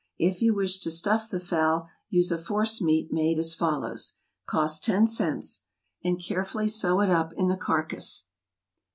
If you wish to stuff the fowl use a forcemeat made as follows, (cost ten cents,) and carefully sew it up in the carcass.